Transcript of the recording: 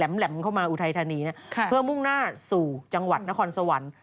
แหลมเข้ามาอุทัยธานีเพื่อมุ่งหน้าสู่จังหวัดนครสวรรค์